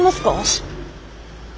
シッ。